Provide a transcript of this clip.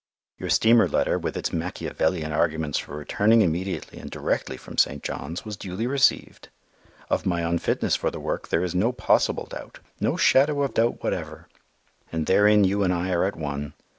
Your steamer letter, with its Machiavellian arguments for returning immediately and directly from St. John's, was duly received. Of my unfitness for the work there is no possible doubt, no shadow of doubt whatever, and therein you and I are at one.